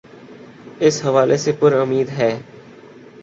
اس حوالے سے پرا مید ہے۔